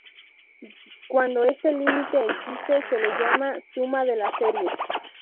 Cuando este límite existe, se le llama "suma de la serie".